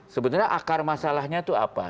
sebenarnya akar masalahnya itu apa